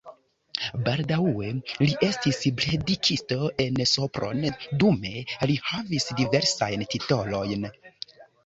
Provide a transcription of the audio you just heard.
Baldaŭe li estis predikisto en Sopron, dume li havis diversajn titolojn.